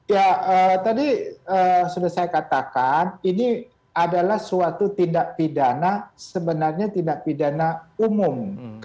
ya tadi sudah saya katakan ini adalah suatu tindak pidana sebenarnya tindak pidana umum